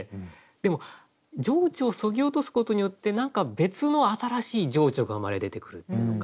でも情緒をそぎ落とすことによって何か別の新しい情緒が生まれ出てくるっていうのか。